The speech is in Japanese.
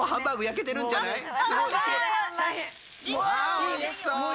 あおいしそう！